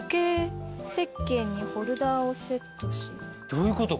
どういうこと？